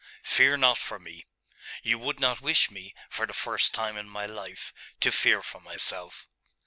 Fear not for me. You would not wish me, for the first time in my life, to fear for myself.